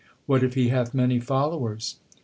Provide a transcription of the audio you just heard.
What if he hath many followers ?